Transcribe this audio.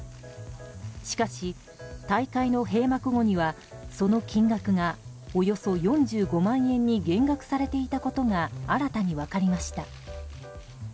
しかし大会の閉幕後にはその金額がおよそ４５万円に減額されていたことが新たに分かりました。